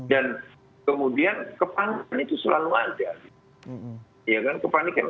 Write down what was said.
dan kemudian kepanikan itu selalu ada